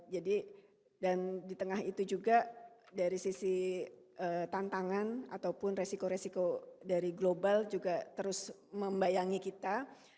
jadi dan di tengah itu juga dari sisi tantangan ataupun resiko resiko dari global juga terus membayangi kita